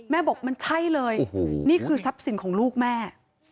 บอกมันใช่เลยนี่คือทรัพย์สินของลูกแม่